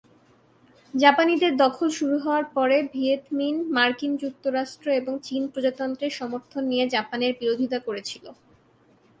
জাপানিদের দখল শুরু হওয়ার পরে, ভিয়েত মিন মার্কিন যুক্তরাষ্ট্র এবং চীন প্রজাতন্ত্রের সমর্থন নিয়ে জাপানের বিরোধিতা করেছিল।